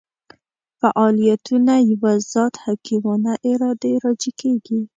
فاعلیتونه یوه ذات حکیمانه ارادې راجع کېږي.